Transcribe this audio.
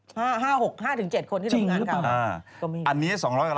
ห้าห้าหกห้าถึงเจ็ดคนที่ดังกล่าวนะครับจริงหรือเปล่า